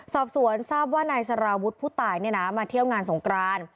สอบสวนทราบว่านายสารวุฒิผู้ตายมาเที่ยวงานสงกราน